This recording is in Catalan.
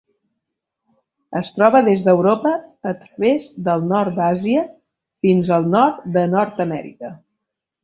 Es troba des d'Europa a través del nord d'Àsia fins al nord de Nord-amèrica.